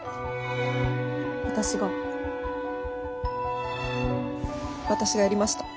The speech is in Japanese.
私が私がやりました。